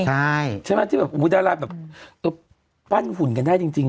ใช่ใช่ไหมที่ดาราแบบปั้นหุ่นกันได้จริง